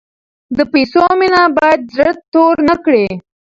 د پیسو مینه باید زړه تور نکړي.